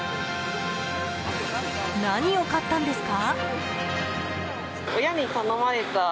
何を買ったんですか？